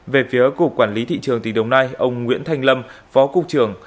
về phía cục quản lý thị trường tỉnh đồng nai ông nguyễn thanh lâm phó cục trưởng